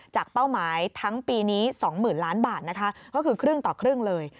เป้าหมายทั้งปีนี้๒๐๐๐ล้านบาทนะคะก็คือครึ่งต่อครึ่งเลย